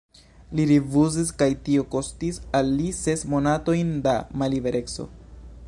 Li rifuzis, kaj tio kostis al li ses monatojn da mallibereco.